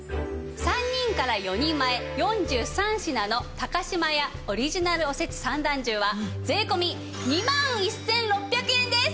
３人から４人前４３品の島屋オリジナルおせち三段重は税込２万１６００円です。